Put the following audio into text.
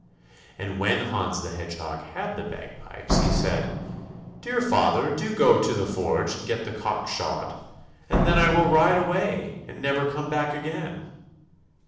And when Hans the Hedgehog had the bagpipes, he said, "Dear father, do go to the forge and get the cock shod, and then I will ride away, and never come back again."